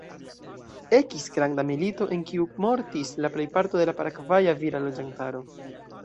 Ekis granda milito, en kiu mortis la plejparto de la Paragvaja vira loĝantaro.